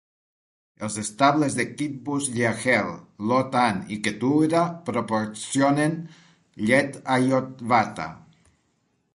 Els estables de Kibbutz Yahel, Lotan, i Ketura proporcionen llet a Yotvata.